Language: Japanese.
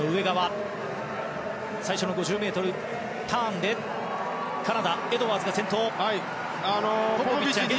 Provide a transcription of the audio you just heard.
最初の５０ｍのターンでカナダのエドワーズが先頭。